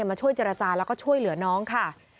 มาช่วยเจรจาแล้วก็ช่วยเหลือน้องค่ะ